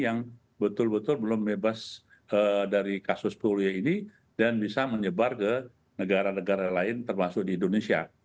yang betul betul belum bebas dari kasus puria ini dan bisa menyebar ke negara negara lain termasuk di indonesia